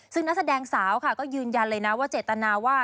ซึ่งนักแสดงสาวค่ะก็ยืนยันเลยนะว่าเจตนาว่า